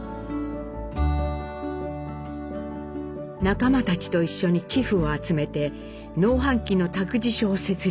仲間たちと一緒に寄付を集めて農繁期の託児所を設立。